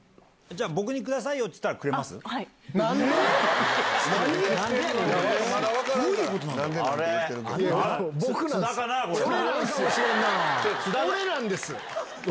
じゃあ、僕にくださいよって言ったら、くれます？